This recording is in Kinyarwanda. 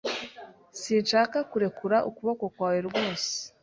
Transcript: Sinshaka kurekura ukuboko kwawe rwose